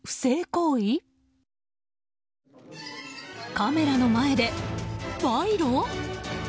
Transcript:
カメラの前で賄賂？